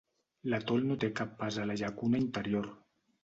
L'atol no té cap pas a la llacuna interior.